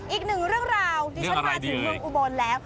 อีกหนึ่งเรื่องราวดิฉันมาถึงเมืองอุบลแล้ว